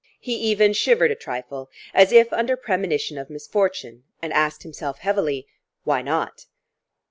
He even shivered a trifle, as if under premonition of misfortune, and asked himself heavily: Why not?